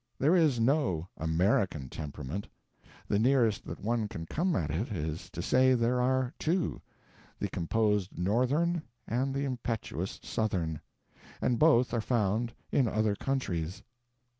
There is no American temperament. The nearest that one can come at it is to say there are two the composed Northern and the impetuous Southern; and both are found in other countries.